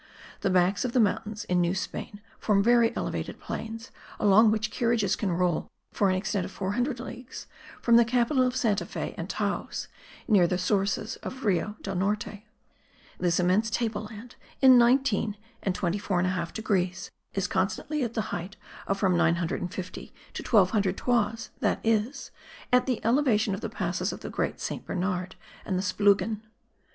The backs of the mountains in New Spain form very elevated plains, along which carriages can roll for an extent of 400 leagues, from the capital to Santa Fe and Taos, near the sources of Rio del Norte. This immense table land, in 19 and 24 1/2 degrees, is constantly at the height of from 950 to 1200 toises, that is, at the elevation of the passes of the Great Saint Bernard and the Splugen.